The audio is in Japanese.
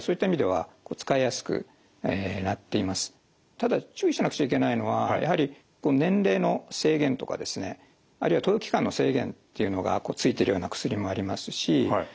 ただ注意しなくちゃいけないのはやはり年齢の制限とかですねあるいは投与期間の制限というのがついてるような薬もありますし